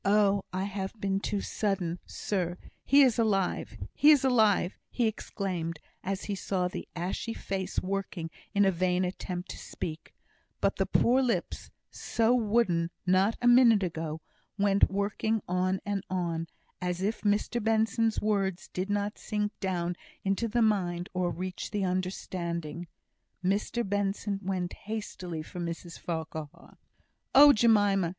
"Oh! I have been too sudden, sir he is alive, he is alive!" he exclaimed, as he saw the ashy face working in a vain attempt to speak; but the poor lips (so wooden, not a minute ago) went working on and on, as if Mr Benson's words did not sink down into the mind, or reach the understanding. Mr Benson went hastily for Mrs Farquhar. "Oh, Jemima!"